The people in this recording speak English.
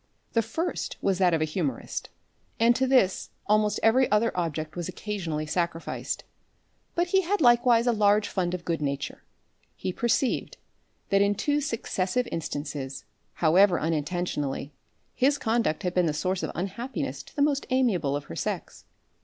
The first was that of a humourist, and to this almost every other object was occasionally sacrificed. But he had likewise a large fund of good nature. He perceived, that in two successive instances, however unintentionally, his conduct had been the source of unhappiness to the most amiable of her sex.